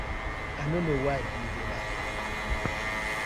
I no no wai yu dey laff.